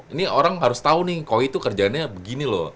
ini orang harus tahu nih koi tuh kerjaannya begini loh